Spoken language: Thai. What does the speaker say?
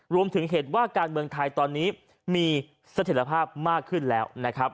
เห็นว่าการเมืองไทยตอนนี้มีสถิตภาพมากขึ้นแล้วนะครับ